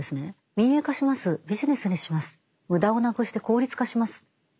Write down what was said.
民営化しますビジネスにします。